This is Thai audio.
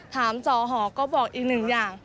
จอหอก็บอกอีกหนึ่งอย่าง